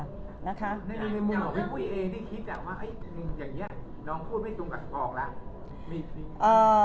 ในมุมของพี่ปุ้ยเองที่คิดว่าอย่างนี้น้องพูดไม่ตรงกับกองแล้ว